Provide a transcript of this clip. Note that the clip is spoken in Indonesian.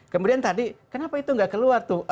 kemudian tadi kenapa itu nggak keluar tuh